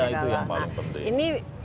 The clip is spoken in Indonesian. ya itu yang paling penting